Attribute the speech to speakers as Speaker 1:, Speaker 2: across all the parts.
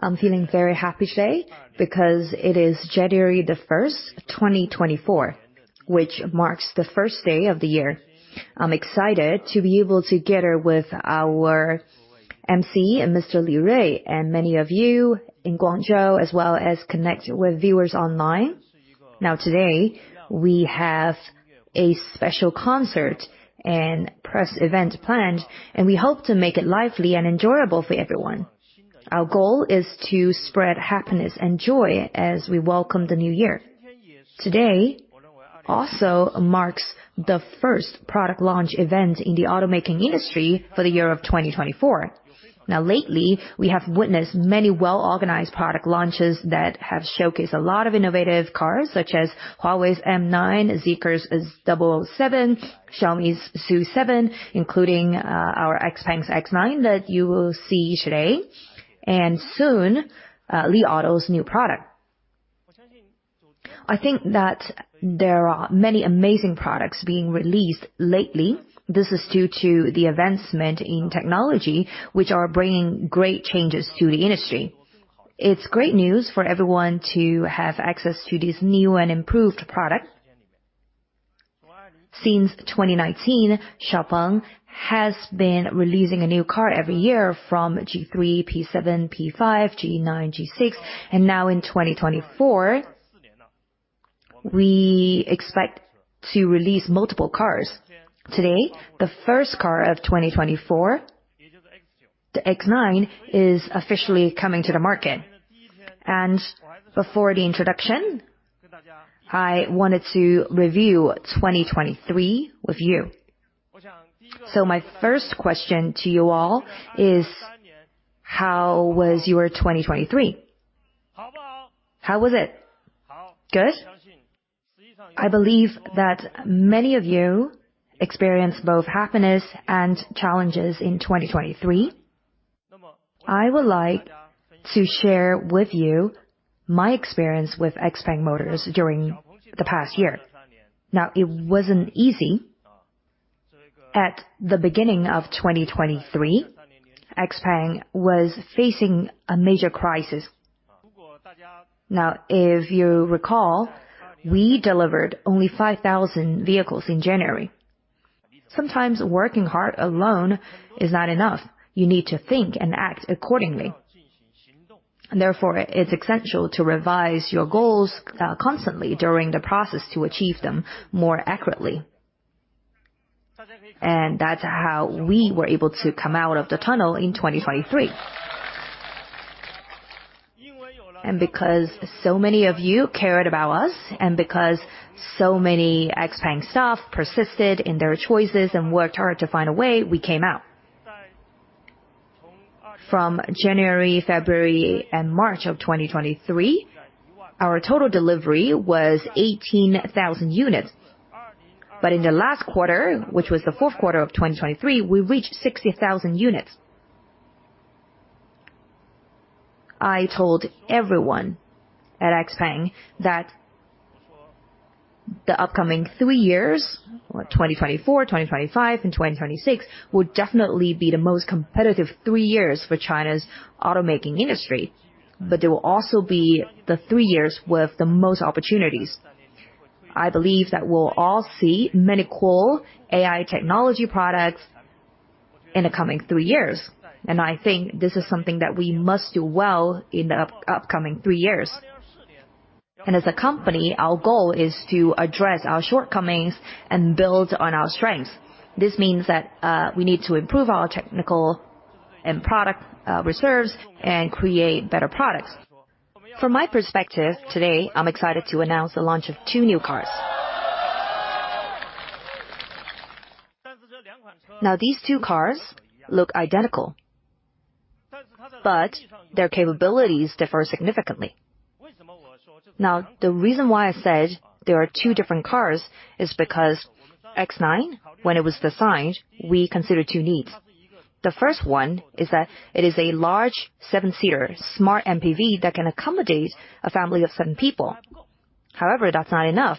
Speaker 1: I'm feeling very happy today because it is January 1st, 2024, which marks the first day of the year. I'm excited to be able to gather with our MC, Mr. Li Rui, and many of you in Guangzhou, as well as connect with viewers online. Now, today, we have a special concert and press event planned, and we hope to make it lively and enjoyable for everyone. Our goal is to spread happiness and joy as we welcome the new year. Today also marks the first product launch event in the automaking industry for the year of 2024. Now lately, we have witnessed many well-organized product launches that have showcased a lot of innovative cars, such as Huawei's M9, Zeekr's 7X, Xiaomi's SU7, including, our XPENG's X9 that you will see today, and soon, Li Auto's new product. I think that there are many amazing products being released lately. This is due to the advancement in technology, which are bringing great changes to the industry. It's great news for everyone to have access to these new and improved products. Since 2019, XPENG has been releasing a new car every year from G3, P7, P5, G9, G6, and now in 2024, we expect to release multiple cars. Today, the first car of 2024, the X9, is officially coming to the market. And before the introduction, I wanted to review 2023 with you. So my first question to you all is: How was your 2023? How was it? Good? I believe that many of you experienced both happiness and challenges in 2023. I would like to share with you my experience with XPENG Motors during the past year. Now, it wasn't easy. At the beginning of 2023, XPENG was facing a major crisis. Now, if you recall, we delivered only 5,000 vehicles in January. Sometimes working hard alone is not enough. You need to think and act accordingly. Therefore, it's essential to revise your goals constantly during the process to achieve them more accurately. And that's how we were able to come out of the tunnel in 2023. And because so many of you cared about us, and because so many XPENG staff persisted in their choices and worked hard to find a way, we came out. From January, February, and March of 2023, our total delivery was 18,000 units. But in the last quarter, which was the fourth quarter of 2023, we reached 60,000 units. I told everyone at XPENG that the upcoming three years, 2024, 2025, and 2026, would definitely be the most competitive three years for China's automaking industry, but they will also be the three years with the most opportunities. I believe that we'll all see many cool AI technology products in the coming three years, and I think this is something that we must do well in the upcoming three years. As a company, our goal is to address our shortcomings and build on our strengths. This means that, we need to improve our technical and product reserves and create better products. From my perspective, today, I'm excited to announce the launch of two new cars. Now, these two cars look identical, but their capabilities differ significantly. Now, the reason why I said they are two different cars is because X9, when it was designed, we considered two needs. The first one is that it is a large, 7-seater, smart MPV that can accommodate a family of seven people. However, that's not enough.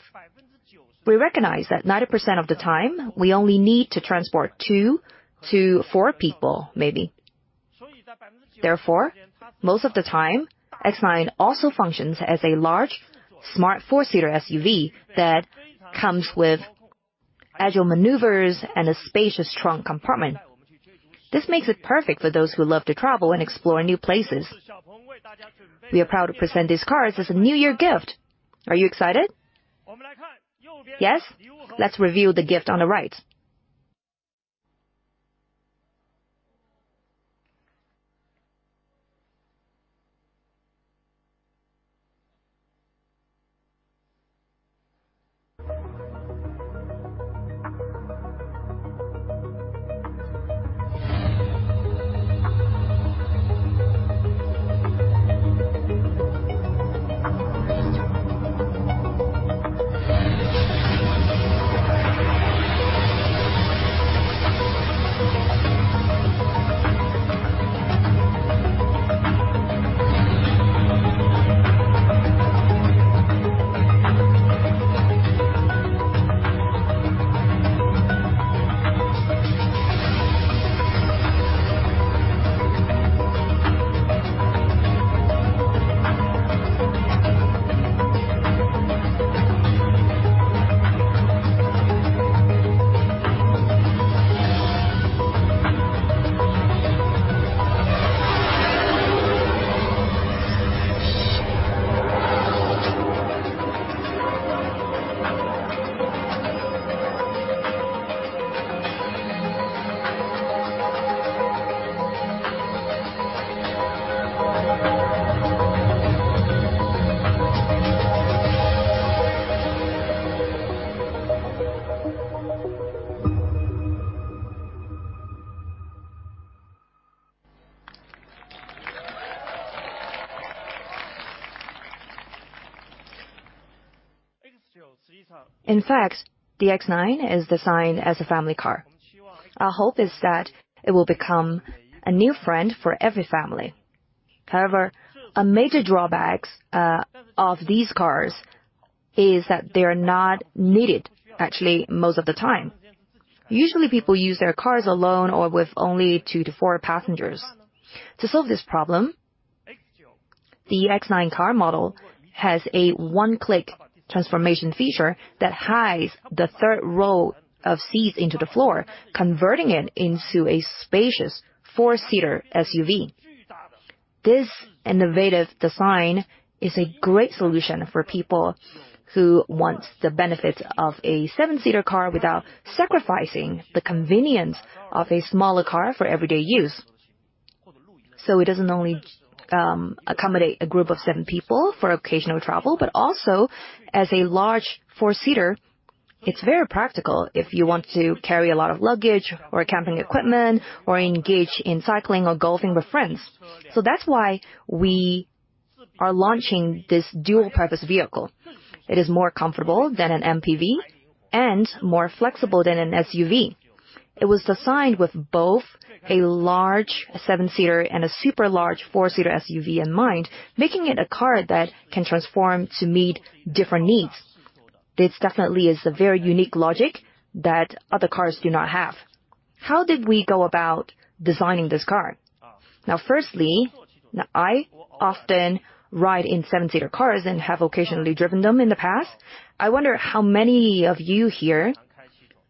Speaker 1: We recognize that 90% of the time, we only need to transport two to four people, maybe. Therefore, most of the time, X9 also functions as a large, smart, 4-seater SUV that comes with agile maneuvers and a spacious trunk compartment. This makes it perfect for those who love to travel and explore new places. We are proud to present these cars as a New Year gift. Are you excited? Yes? Let's reveal the gift on the right. In fact, the X9 is designed as a family car. Our hope is that it will become a new friend for every family. However, a major drawback of these cars is that they are not needed actually, most of the time. Usually, people use their cars alone or with only two to four passengers. To solve this problem, the X9 car model has a one-click transformation feature that hides the third row of seats into the floor, converting it into a spacious 4-seater SUV. This innovative design is a great solution for people who want the benefits of a 7-seater car without sacrificing the convenience of a smaller car for everyday use. So it doesn't only accommodate a group of seven people for occasional travel, but also as a large 4-seater, it's very practical if you want to carry a lot of luggage or camping equipment, or engage in cycling or golfing with friends. So that's why we are launching this dual-purpose vehicle. It is more comfortable than an MPV and more flexible than an SUV. It was designed with both a large 7-seater and a super large 4-seater SUV in mind, making it a car that can transform to meet different needs. This definitely is a very unique logic that other cars do not have. How did we go about designing this car? Now, firstly, I often ride in 7-seater cars and have occasionally driven them in the past. I wonder how many of you here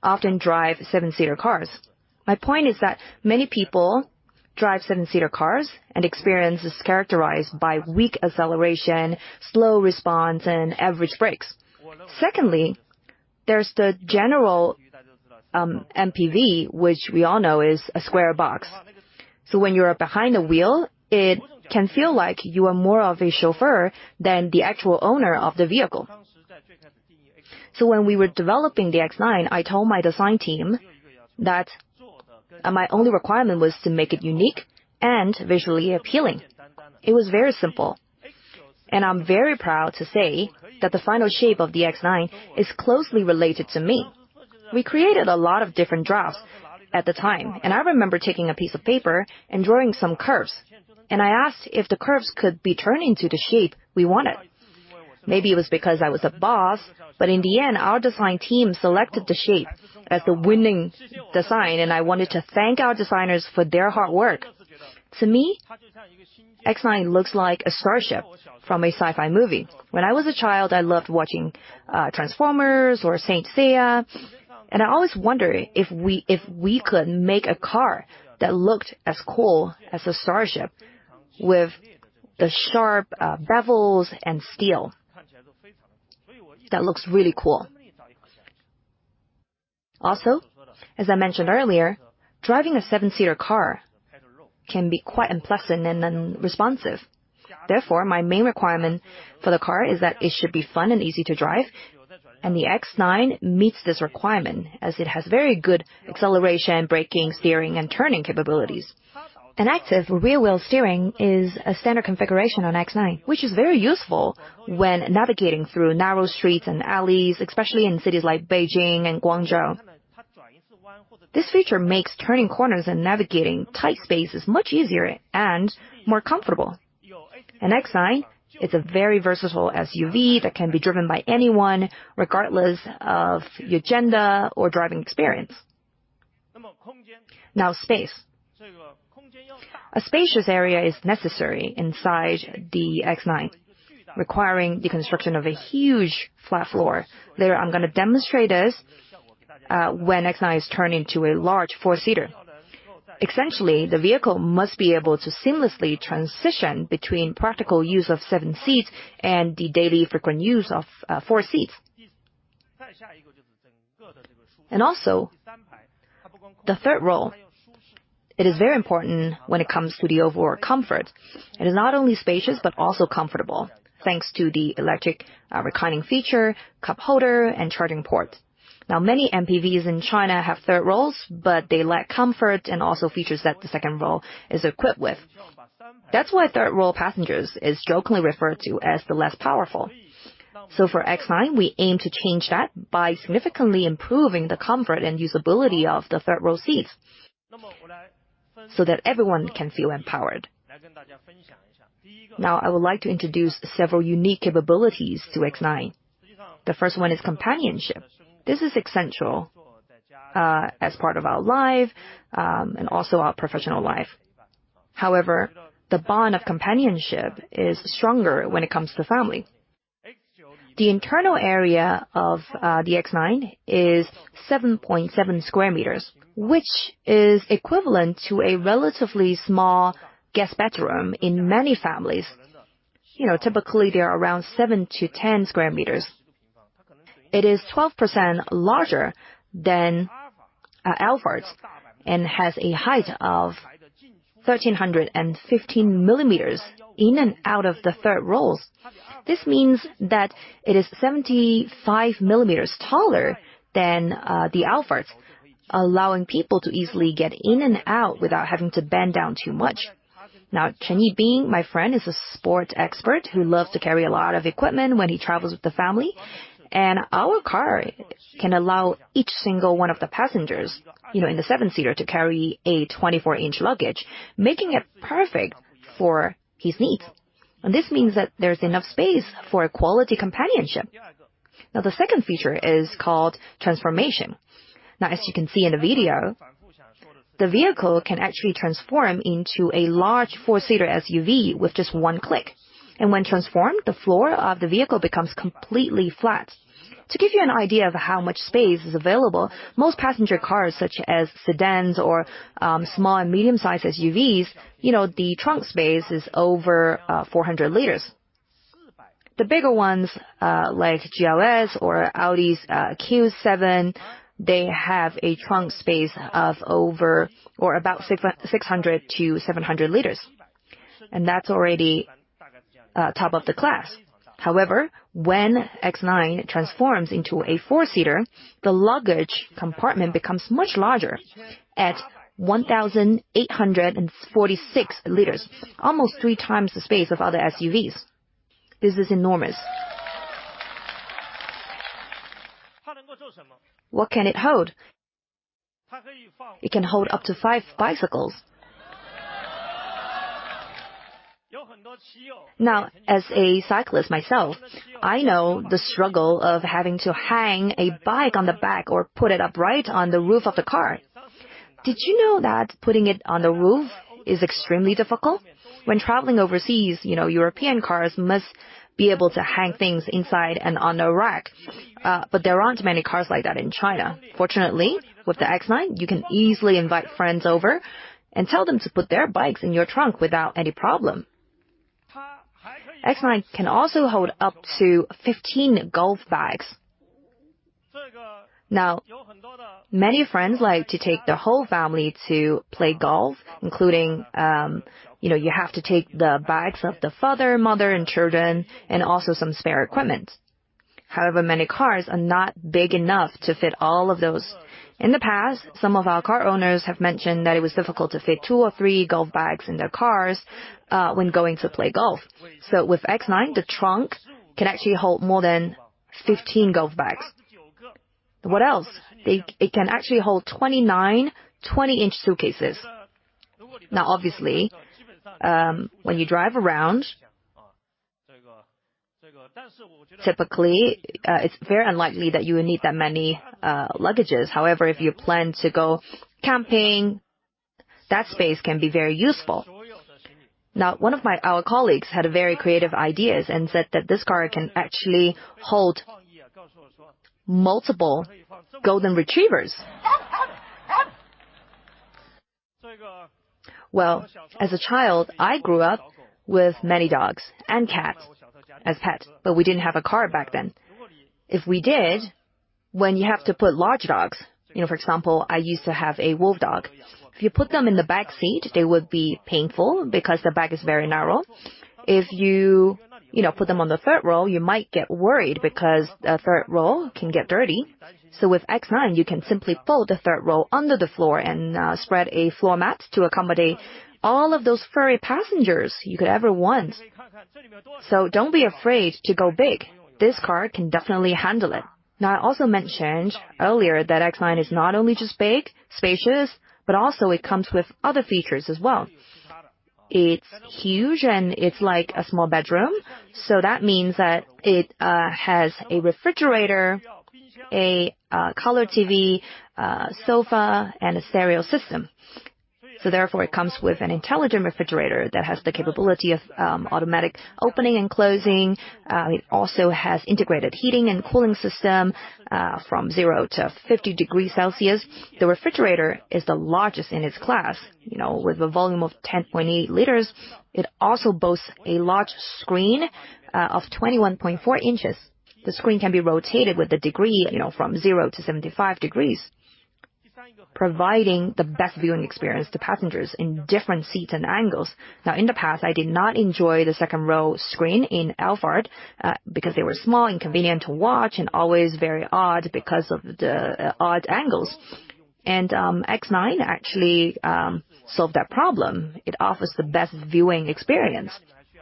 Speaker 1: often drive 7-seater cars? My point is that many people drive 7-seater cars, and experience is characterized by weak acceleration, slow response, and average brakes. Secondly, there's the general MPV, which we all know is a square box. So when you are behind the wheel, it can feel like you are more of a chauffeur than the actual owner of the vehicle. So when we were developing the X9, I told my design team that my only requirement was to make it unique and visually appealing. It was very simple, and I'm very proud to say that the final shape of the X9 is closely related to me. We created a lot of different drafts at the time, and I remember taking a piece of paper and drawing some curves, and I asked if the curves could be turned into the shape we wanted. Maybe it was because I was a boss, but in the end, our design team selected the shape as the winning design, and I wanted to thank our designers for their hard work. To me, X9 looks like a starship from a sci-fi movie. When I was a child, I loved watching Transformers or Saint Seiya, and I always wondered if we, if we could make a car that looked as cool as a starship, with the sharp bevels and steel. That looks really cool. Also, as I mentioned earlier, driving a 7-seater car can be quite unpleasant and unresponsive. Therefore, my main requirement for the car is that it should be fun and easy to drive, and the X9 meets this requirement, as it has very good acceleration, braking, steering, and an active rear-wheel steering is a standard configuration on X9, which is very useful when navigating through narrow streets and alleys, especially in cities like Beijing and Guangzhou. This feature makes turning corners and navigating tight spaces much easier and more comfortable. X9 is a very versatile SUV that can be driven by anyone, regardless of the agenda or driving experience. Now, space. A spacious area is necessary inside the X9, requiring the construction of a huge flat floor. Later, I'm gonna demonstrate this, when X9 is turned into a large 4-seater. Essentially, the vehicle must be able to seamlessly transition between practical use of seven seats and the daily frequent use of, four seats. And also, the third row, it is very important when it comes to the overall comfort. It is not only spacious, but also comfortable, thanks to the electric, reclining feature, cup holder, and charging port. Now, many MPVs in China have third rows, but they lack comfort and also features that the second row is equipped with. That's why third-row passengers is jokingly referred to as the less powerful. So for X9, we aim to change that by significantly improving the comfort and usability of the third-row seats, so that everyone can feel empowered. Now, I would like to introduce several unique capabilities to X9. The first one is companionship. This is essential as part of our life and also our professional life. However, the bond of companionship is stronger when it comes to family. The internal area of the X9 is 7.7 square meters, which is equivalent to a relatively small guest bedroom in many families. You know, typically, they are around seven to 10 square meters. It is 12% larger than Alphard, and has a height of 1,315 millimeters in and out of the third rows. This means that it is 75 millimeters taller than the Alphard, allowing people to easily get in and out without having to bend down too much. Now, Chen Yibing, my friend, is a sports expert who loves to carry a lot of equipment when he travels with the family, and our car can allow each single one of the passengers, you know, in the 7-seater, to carry a 24-inch luggage, making it perfect for his needs. And this means that there's enough space for a quality companionship. Now, the second feature is called transformation. Now, as you can see in the video, the vehicle can actually transform into a large 4-seater SUV with just one click, and when transformed, the floor of the vehicle becomes completely flat. To give you an idea of how much space is available, most passenger cars, such as sedans or small and medium-sized SUVs, you know, the trunk space is over 400 liters. The bigger ones, like GLS or Audi's Q7, they have a trunk space of over or about 600-700 liters, and that's already top of the class. However, when X9 transforms into a 4-seater, the luggage compartment becomes much larger at 1,846 liters, almost three times the space of other SUVs. This is enormous. What can it hold? It can hold up to five bicycles. Now, as a cyclist myself, I know the struggle of having to hang a bike on the back or put it upright on the roof of the car. Did you know that putting it on the roof is extremely difficult? When traveling overseas, you know, European cars must be able to hang things inside and on the rack, but there aren't many cars like that in China. Fortunately, with the X9, you can easily invite friends over and tell them to put their bikes in your trunk without any problem. X9 can also hold up to 15 golf bags. Now, many friends like to take their whole family to play golf, including, you know, you have to take the bags of the father, mother and children, and also some spare equipment. However, many cars are not big enough to fit all of those. In the past, some of our car owners have mentioned that it was difficult to fit two or three golf bags in their cars, when going to play golf. So with X9, the trunk can actually hold more than 15 golf bags. What else? It can actually hold 29, 20-inch suitcases. Now, obviously, when you drive around, typically, it's very unlikely that you would need that many, luggages. However, if you plan to go camping, that space can be very useful. Now, one of my-- our colleagues had very creative ideas and said that this car can actually hold multiple golden retrievers. Well, as a child, I grew up with many dogs and cats as pets, but we didn't have a car back then. If we did, when you have to put large dogs, you know, for example, I used to have a wolf dog. If you put them in the back seat, they would be painful because the back is very narrow. If you, you know, put them on the third row, you might get worried because the third row can get dirty. So with X9, you can simply fold the third row under the floor and spread a floor mat to accommodate all of those furry passengers you could ever want. So don't be afraid to go big. This car can definitely handle it. Now, I also mentioned earlier that X9 is not only just big, spacious, but also it comes with other features as well. It's huge, and it's like a small bedroom, so that means that it has a refrigerator, a color TV, a sofa, and a stereo system. So therefore, it comes with an intelligent refrigerator that has the capability of automatic opening and closing. It also has integrated heating and cooling system from 0 to 50 degrees Celsius. The refrigerator is the largest in its class, you know, with a volume of 10.8 liters. It also boasts a large screen of 21.4 inches. The screen can be rotated with a degree, you know, from 0 to 75 degrees, providing the best viewing experience to passengers in different seats and angles. Now, in the past, I did not enjoy the second row screen in Alphard because they were small, inconvenient to watch, and always very odd because of the odd angles. And X9 actually solved that problem. It offers the best viewing experience.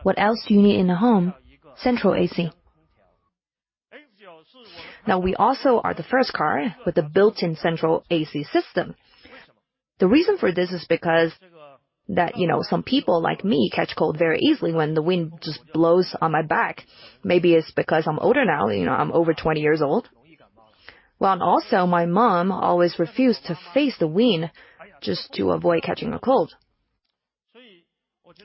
Speaker 1: What else do you need in a home? Central AC. Now, we also are the first car with a built-in central AC system. The reason for this is because that, you know, some people, like me, catch cold very easily when the wind just blows on my back. Maybe it's because I'm older now, you know, I'm over 20 years old. Well, and also, my mom always refused to face the wind just to avoid catching a cold.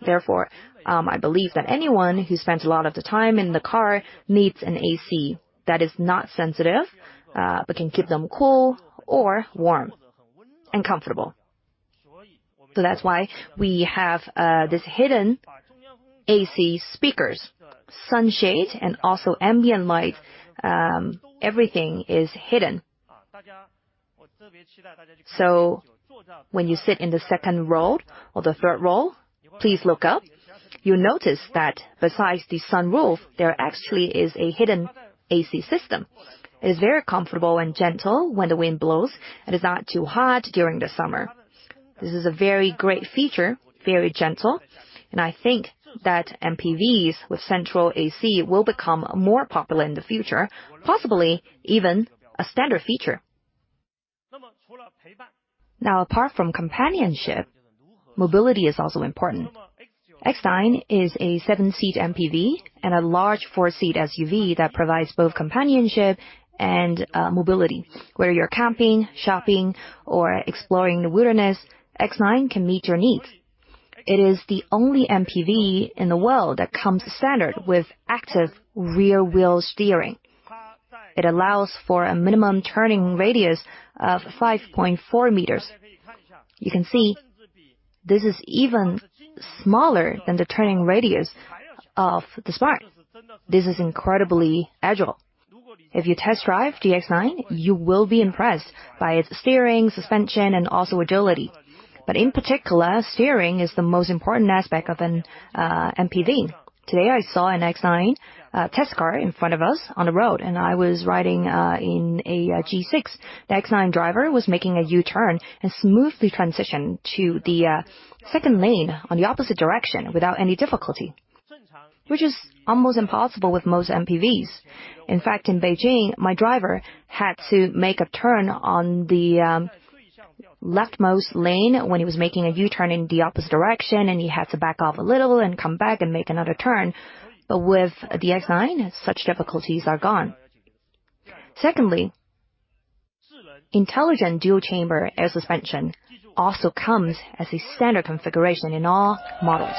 Speaker 1: Therefore, I believe that anyone who spends a lot of the time in the car needs an AC that is not sensitive, but can keep them cool or warm and comfortable. So that's why we have this hidden AC speakers, sunshade, and also ambient light. Everything is hidden. So when you sit in the second row or the third row, please look up. You'll notice that besides the sunroof, there actually is a hidden AC system. It is very comfortable and gentle when the wind blows, and it's not too hot during the summer. This is a very great feature, very gentle, and I think that MPVs with central AC will become more popular in the future, possibly even a standard feature. Now, apart from companionship, mobility is also important. X9 is a 7-seat MPV and a large 4-seat SUV that provides both companionship and mobility. Whether you're camping, shopping, or exploring the wilderness, X9 can meet your needs. It is the only MPV in the world that comes active rear-wheel steering. it allows for a minimum turning radius of 5.4 meters. You can see, this is even smaller than the turning radius of the Smart. This is incredibly agile. If you test drive the X9, you will be impressed by its steering, suspension, and also agility. But in particular, steering is the most important aspect of an MPV. Today, I saw an X9 test car in front of us on the road, and I was riding in a G6. The X9 driver was making a U-turn and smoothly transitioned to the second lane on the opposite direction without any difficulty, which is almost impossible with most MPVs. In fact, in Beijing, my driver had to make a turn on the leftmost lane when he was making a U-turn in the opposite direction, and he had to back off a little and come back and make another turn. But with the X9, such difficulties are gone. Secondly, intelligent dual-chamber air suspension also comes as a standard configuration in all models.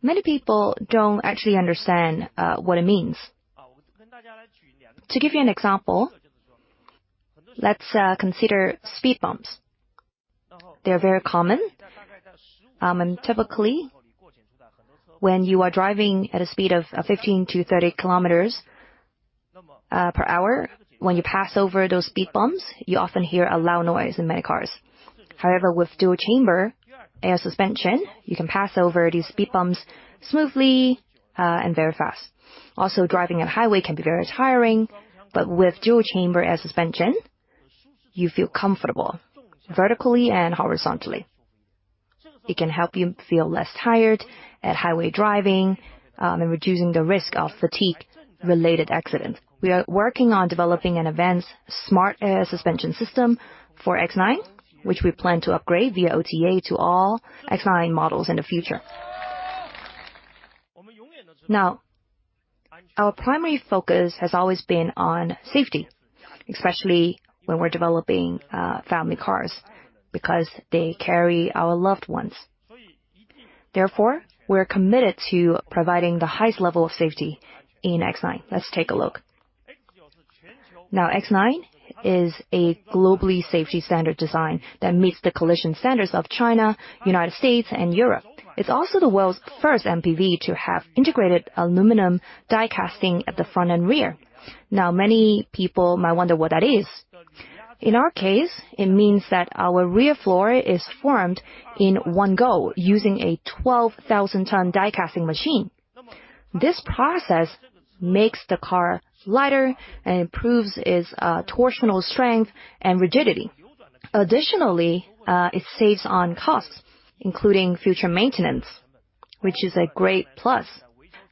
Speaker 1: Many people don't actually understand what it means. To give you an example, let's consider speed bumps. They are very common, and typically, when you are driving at a speed of 15 km-30 km per hour, when you pass over those speed bumps, you often hear a loud noise in many cars. However, with dual-chamber air suspension, you can pass over these speed bumps smoothly, and very fast. Also, driving on highway can be very tiring, but with dual-chamber air suspension, you feel comfortable vertically and horizontally. It can help you feel less tired at highway driving, and reducing the risk of fatigue-related accidents. We are working on developing an advanced smart air suspension system for X9, which we plan to upgrade via OTA to all X9 models in the future. Now, our primary focus has always been on safety, especially when we're developing, family cars, because they carry our loved ones. Therefore, we're committed to providing the highest level of safety in X9. Let's take a look. Now, X9 is a global safety standard design that meets the collision standards of China, United States, and Europe. It's also the world's first MPV to have integrated aluminum die-casting at the front and rear. Now, many people might wonder what that is. In our case, it means that our rear floor is formed in one go, using a 12,000-ton die-casting machine. This process makes the car lighter and improves its torsional strength and rigidity. Additionally, it saves on costs, including future maintenance, which is a great plus.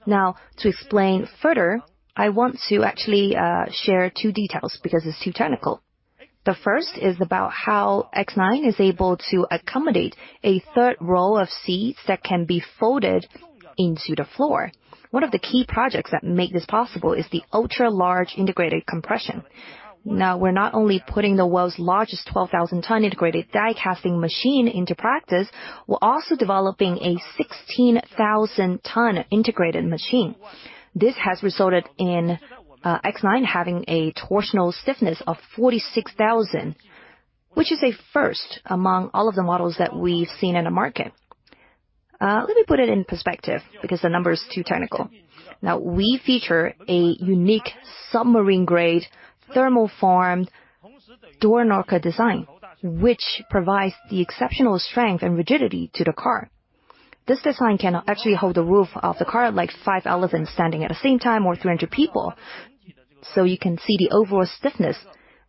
Speaker 1: Now, to explain further, I want to actually share two details, because it's too technical. The first is about how X9 is able to accommodate a third row of seats that can be folded into the floor. One of the key projects that make this possible is the ultra-large integrated die-casting. Now, we're not only putting the world's largest 12,000-ton integrated die-casting machine into practice, we're also developing a 16,000-ton integrated machine. This has resulted in X9 having a torsional stiffness of 46,000, which is a first among all of the models that we've seen in the market. Let me put it in perspective, because the number is too technical. Now, we feature a unique submarine-grade, thermal-formed door ring design, which provides the exceptional strength and rigidity to the car. This design can actually hold the roof of the car, like five elephants standing at the same time or 300 people, so you can see the overall stiffness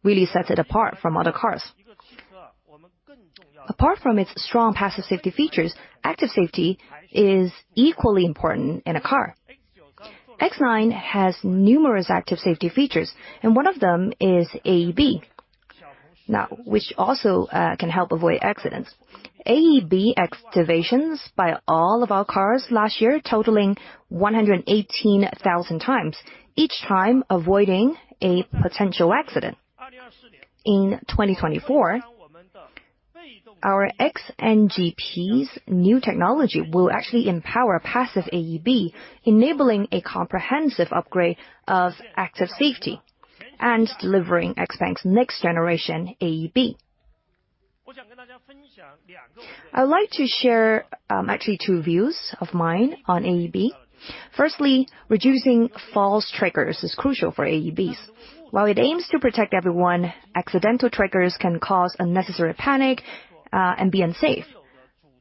Speaker 1: really sets it apart from other cars. Apart from its strong passive safety features, active safety is equally important in a car. X9 has numerous active safety features, and one of them is AEB, now, which also can help avoid accidents. AEB activations by all of our cars last year totaling 118,000 times, each time avoiding a potential accident. In 2024, our XNGP's new technology will actually empower passive AEB, enabling a comprehensive upgrade of active safety, and delivering XPENG's next generation AEB. I'd like to share actually two views of mine on AEB. Firstly, reducing false triggers is crucial for AEBs. While it aims to protect everyone, accidental triggers can cause unnecessary panic and be unsafe.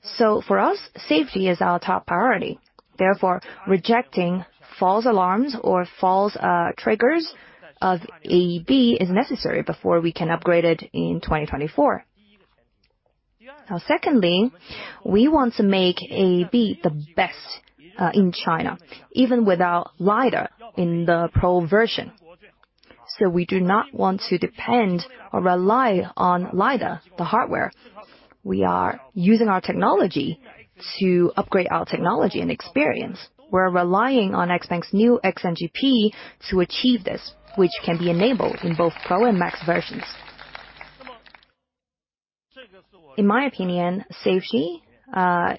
Speaker 1: So for us, safety is our top priority. Therefore, rejecting false alarms or false triggers of AEB is necessary before we can upgrade it in 2024. Now, secondly, we want to make AEB the best in China, even without LiDAR in the Pro version. So we do not want to depend or rely on LiDAR, the hardware. We are using our technology to upgrade our technology and experience. We're relying on XPENG's new XNGP to achieve this, which can be enabled in both Pro and Max versions. In my opinion, safety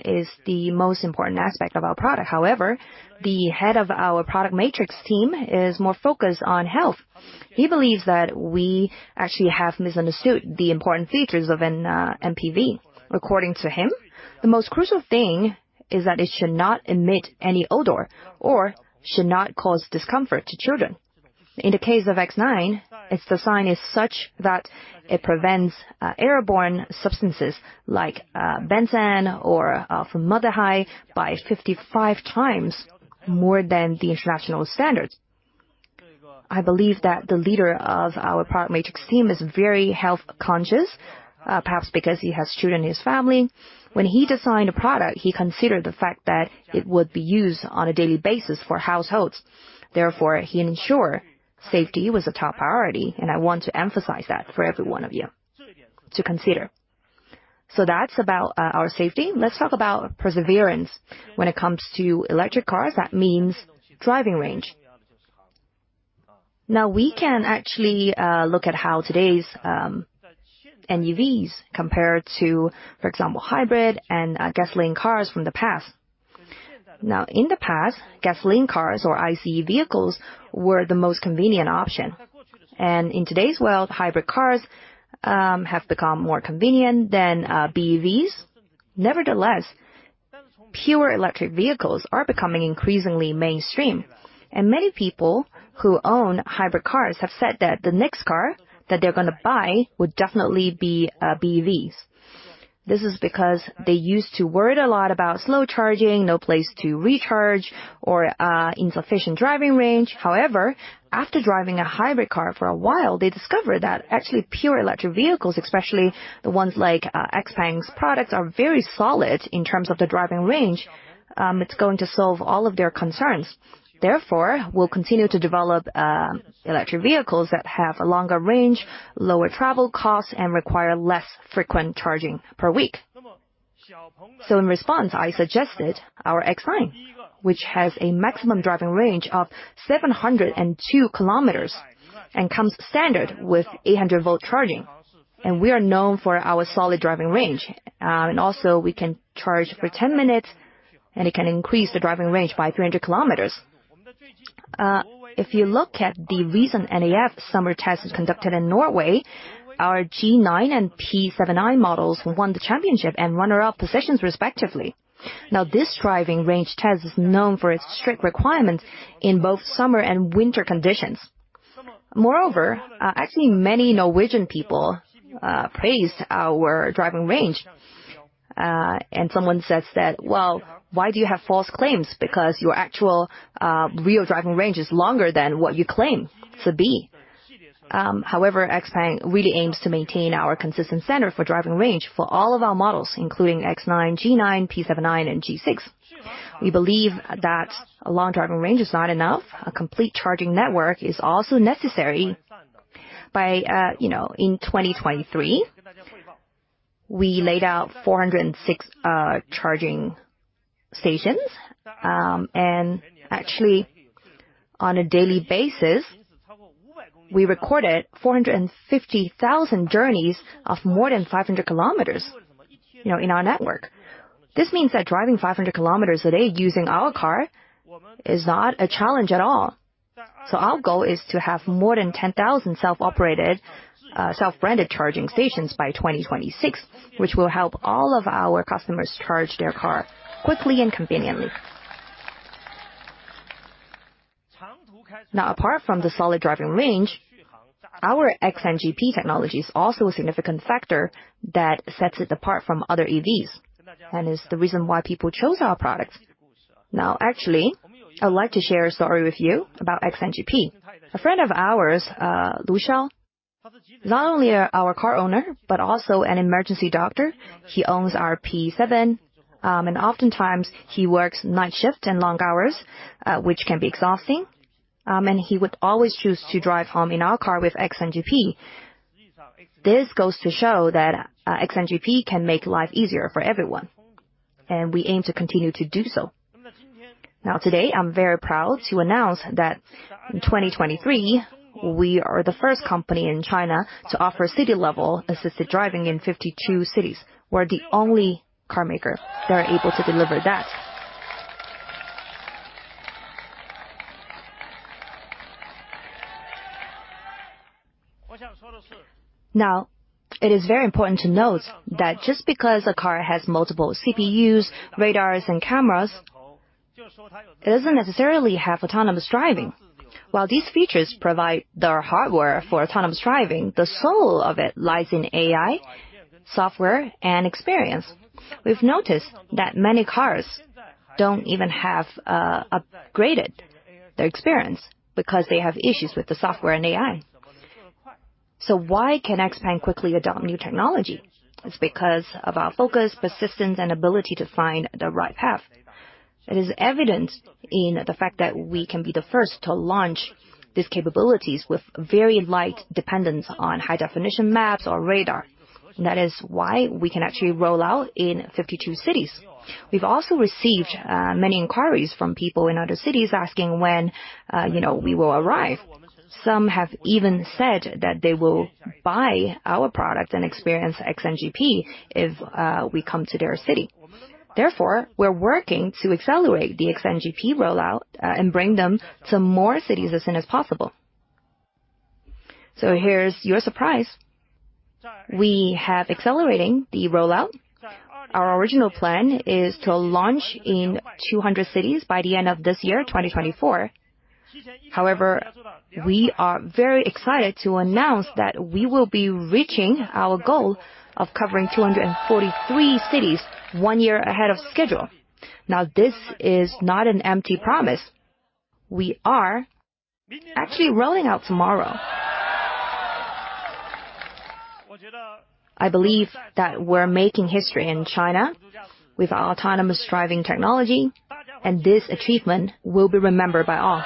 Speaker 1: is the most important aspect of our product. However, the head of our product matrix team is more focused on health. He believes that we actually have misunderstood the important features of an MPV. According to him, the most crucial thing is that it should not emit any odor, or should not cause discomfort to children. In the case of X9, its design is such that it prevents airborne substances like benzene or formaldehyde by 55x more than the international standards. I believe that the leader of our product matrix team is very health-conscious, perhaps because he has children in his family. When he designed a product, he considered the fact that it would be used on a daily basis for households. Therefore, he ensured safety was a top priority, and I want to emphasize that for every one of you to consider. So that's about our safety. Let's talk about perseverance. When it comes to electric cars, that means driving range. Now, we can actually look at how today's SUVs compare to, for example, hybrid and gasoline cars from the past. Now, in the past, gasoline cars or ICE vehicles were the most convenient option, and in today's world, hybrid cars have become more convenient than BEVs. Nevertheless, pure electric vehicles are becoming increasingly mainstream, and many people who own hybrid cars have said that the next car that they're gonna buy would definitely be BEVs. This is because they used to worry a lot about slow charging, no place to recharge, or insufficient driving range. However, after driving a hybrid car for a while, they discovered that actually, pure electric vehicles, especially the ones like XPENG's products, are very solid in terms of the driving range. It's going to solve all of their concerns. Therefore, we'll continue to develop electric vehicles that have a longer range, lower travel costs, and require less frequent charging per week. So in response, I suggested our X9, which has a maximum driving range of 702 km and comes standard with 800-volt charging, and we are known for our solid driving range. And also, we can charge for 10 minutes, and it can increase the driving range by 300 km. If you look at the recent NAF summer tests conducted in Norway, our G9 and P7i models won the championship and runner-up positions respectively. Now, this driving range test is known for its strict requirements in both summer and winter conditions. Moreover, actually, many Norwegian people praised our driving range. And someone says that, "Well, why do you have false claims? Because your actual, real driving range is longer than what you claim to be." However, XPENG really aims to maintain our consistent standard for driving range for all of our models, including X9, G9, P7i, and G6. We believe that a long driving range is not enough, a complete charging network is also necessary. By, you know, in 2023, we laid out 406 charging stations. And actually, on a daily basis, we recorded 450,000 journeys of more than 500 km, you know, in our network. This means that driving 500 km a day using our car is not a challenge at all. So our goal is to have more than 10,000 self-operated, self-branded charging stations by 2026, which will help all of our customers charge their car quickly and conveniently. Now, apart from the solid driving range, our XNGP technology is also a significant factor that sets it apart from other EVs, and is the reason why people chose our products. Now, actually, I would like to share a story with you about XNGP. A friend of ours, Lu Shao, not only our car owner but also an emergency doctor. He owns our P7, and oftentimes, he works night shift and long hours, which can be exhausting. And he would always choose to drive home in our car with XNGP. This goes to show that, XNGP can make life easier for everyone, and we aim to continue to do so. Now, today, I'm very proud to announce that in 2023, we are the first company in China to offer city-level assisted driving in 52 cities. We're the only car maker that are able to deliver that. Now, it is very important to note that just because a car has multiple CPUs, radars, and cameras, it doesn't necessarily have autonomous driving. While these features provide the hardware for autonomous driving, the soul of it lies in AI, software, and experience. We've noticed that many cars don't even have upgraded their experience because they have issues with the software and AI. So why can XPENG quickly adopt new technology? It's because of our focus, persistence, and ability to find the right path. It is evident in the fact that we can be the first to launch these capabilities with very light dependence on high-definition maps or radar. That is why we can actually roll out in 52 cities. We've also received many inquiries from people in other cities asking when, you know, we will arrive. Some have even said that they will buy our product and experience XNGP if we come to their city. Therefore, we're working to accelerate the XNGP rollout and bring them to more cities as soon as possible. So here's your surprise: We have accelerating the rollout. Our original plan is to launch in 200 cities by the end of this year, 2024. However, we are very excited to announce that we will be reaching our goal of covering 243 cities one year ahead of schedule. Now, this is not an empty promise. We are actually rolling out tomorrow. I believe that we're making history in China with our autonomous driving technology, and this achievement will be remembered by all.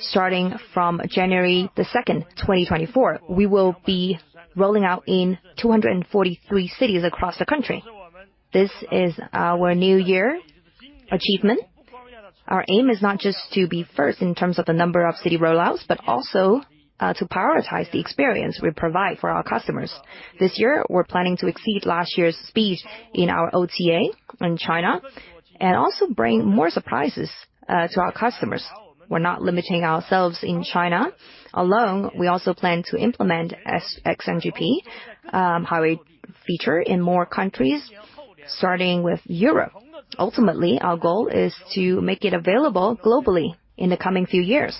Speaker 1: Starting from January 2nd, 2024, we will be rolling out in 243 cities across the country. This is our new year achievement. Our aim is not just to be first in terms of the number of city rollouts, but also to prioritize the experience we provide for our customers. This year, we're planning to exceed last year's speed in our OTA in China, and also bring more surprises to our customers. We're not limiting ourselves in China alone. We also plan to implement XNGP highway feature in more countries, starting with Europe. Ultimately, our goal is to make it available globally in the coming few years.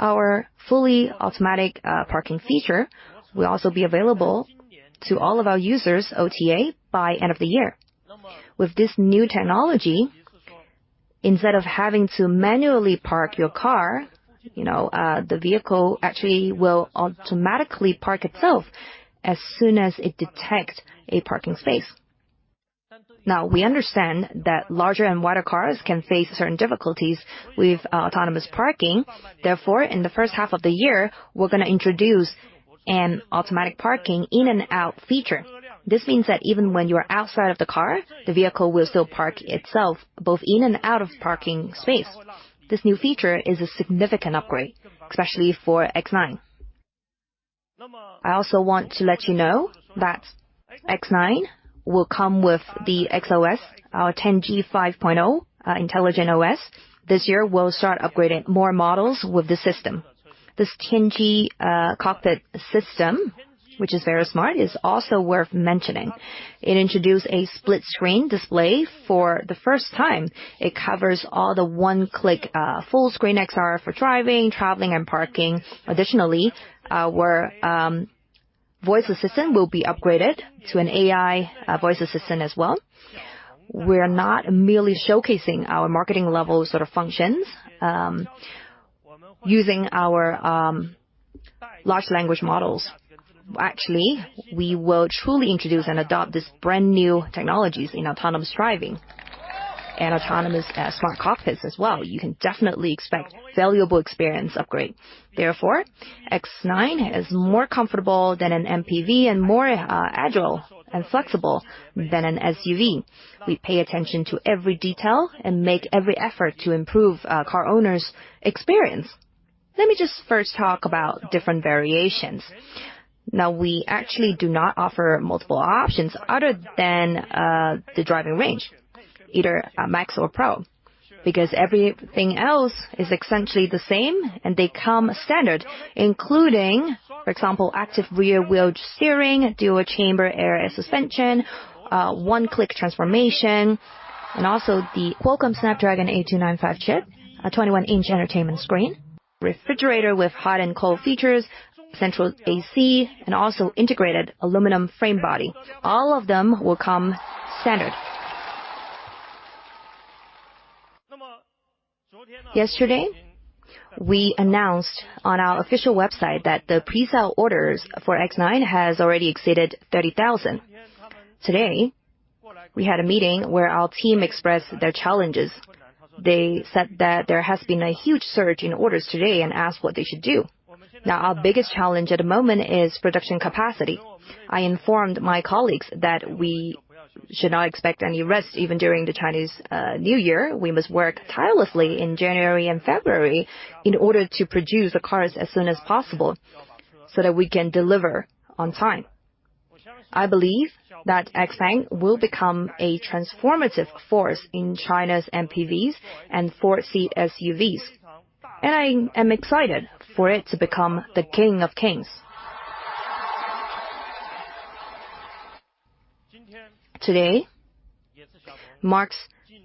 Speaker 1: Our fully automatic parking feature will also be available to all of our users, OTA, by end of the year. With this new technology, instead of having to manually park your car, you know, the vehicle actually will automatically park itself as soon as it detects a parking space. Now, we understand that larger and wider cars can face certain difficulties with, autonomous parking. Therefore, in the first half of the year, we're gonna introduce an automatic parking in-and-out feature. This means that even when you are outside of the car, the vehicle will still park itself, both in and out of parking space. This new feature is a significant upgrade, especially for X9. I also want to let you know that X9 will come with the XOS, our Tianji 5.0, intelligent OS. This year, we'll start upgrading more models with this system. This Tianji, cockpit system, which is very smart, is also worth mentioning. It introduced a split screen display for the first time. It covers all the one-click, full-screen XR for driving, traveling, and parking. Additionally, our voice assistant will be upgraded to an AI voice assistant as well. We're not merely showcasing our marketing level sort of functions, using our large language models. Actually, we will truly introduce and adopt these brand-new technologies in autonomous driving and autonomous smart cockpits as well. You can definitely expect valuable experience upgrade. Therefore, X9 is more comfortable than an MPV and more agile and flexible than an SUV. We pay attention to every detail and make every effort to improve car owners' experience. Let me just first talk about different variations. Now, we actually do not offer multiple options other than the driving range, either a max or pro, because everything else is essentially the same, and they come standard, including, active rear-wheel steering, dual-chamber air suspension, one-click transformation. And also the Qualcomm Snapdragon 8295 chip, a 21-inch entertainment screen, refrigerator with hot and cold features, central AC, and also integrated aluminum frame body. All of them will come standard. Yesterday, we announced on our official website that the pre-sale orders for X9 has already exceeded 30,000. Today, we had a meeting where our team expressed their challenges. They said that there has been a huge surge in orders today and asked what they should do. Now, our biggest challenge at the moment is production capacity. I informed my colleagues that we should not expect any rest, even during the Chinese New Year. We must work tirelessly in January and February in order to produce the cars as soon as possible, so that we can deliver on time. I believe that XPENG will become a transformative force in China's MPVs and 4-seat SUVs, and I am excited for it to become the king of kings. Today marks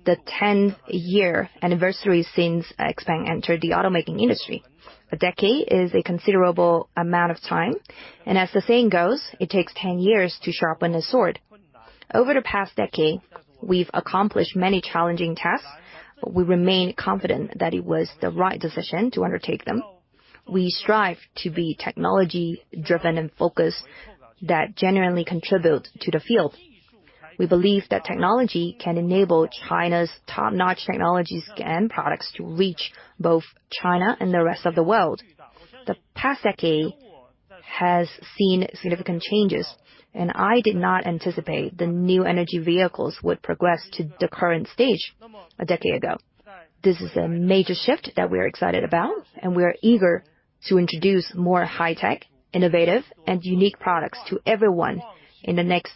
Speaker 1: the 10th year anniversary since XPENG entered the automaking industry. A decade is a considerable amount of time, and as the saying goes, "It takes 10 years to sharpen a sword." Over the past decade, we've accomplished many challenging tasks, but we remain confident that it was the right decision to undertake them. We strive to be technology-driven and focused that genuinely contribute to the field. We believe that technology can enable China's top-notch technologies and products to reach both China and the rest of the world. The past decade has seen significant changes, and I did not anticipate the new energy vehicles would progress to the current stage a decade ago. This is a major shift that we are excited about, and we are eager to introduce more high-tech, innovative, and unique products to everyone in the next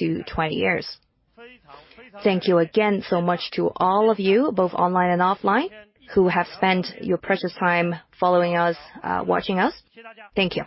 Speaker 1: 10-20 years. Thank you again so much to all of you, both online and offline, who have spent your precious time following us, watching us. Thank you.